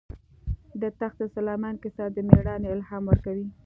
د تخت سلیمان کیسه د مېړانې الهام ورکوي.